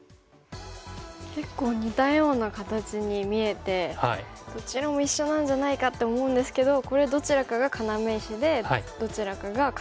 結構似たような形に見えてどちらも一緒なんじゃないかって思うんですけどこれどちらかが要石でどちらかがカス石なんですよね。